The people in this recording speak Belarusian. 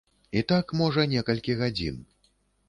І так, можа, некалькі гадзін.